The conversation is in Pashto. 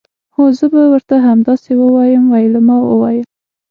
هو زه به ورته همداسې ووایم ویلما وویل